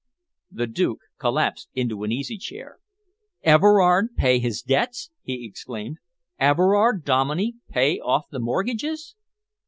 The Duke collapsed into an easy chair. "Everard pay his debts?" he exclaimed. "Everard Dominey pay off the mortgages?"